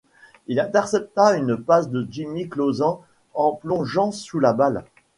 Il intercepta une passe de Jimmy Clausen en plongeant sous la balle.